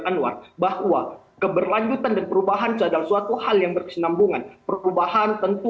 anwar bahwa keberlanjutan dan perubahan itu adalah suatu hal yang berkesenambungan perubahan tentu